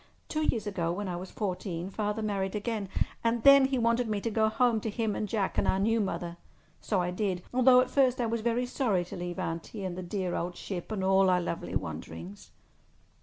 Two years ago, when I was fourteen, Father married again, and then he wanted me to go home to him and Jack and our new mother. So I did, although at first I was very sorry to leave Auntie and the dear old ship and all our lovely wanderings."